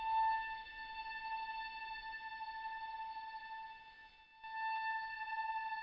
โปรดติดตามต่อไป